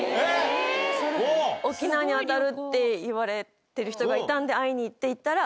沖縄に当たるっていわれてる人がいたんで会いに行ったら。